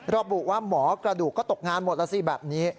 ระบุว่าหมอกระดูกก็ตกงานหมดแล้วสิแบบนี้